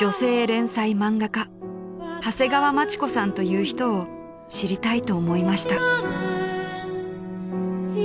連載漫画家長谷川町子さんという人を知りたいと思いました］